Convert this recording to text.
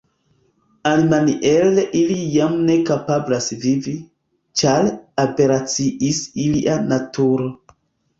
Alimaniere ili jam ne kapablas vivi, ĉar aberaciis ilia naturo.